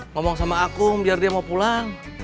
ngomong sama akung biar dia mau pulang